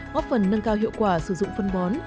góp phần nâng cao hiệu quả sử dụng phân bón